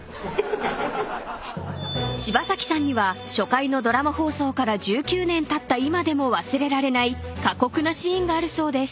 ［柴咲さんには初回のドラマ放送から１９年たった今でも忘れられない過酷なシーンがあるそうです］